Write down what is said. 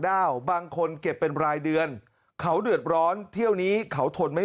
บางคนเก็บเป็นรายเดือนเขาเดือดร้อนเที่ยวนี้เขาทนไม่